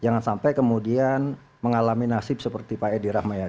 jangan sampai kemudian mengalami nasib seperti pak edi rahmayadi